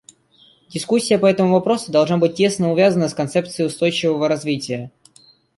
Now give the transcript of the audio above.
Дискуссия по этому вопросу должна быть тесно увязана с концепцией устойчивого развития.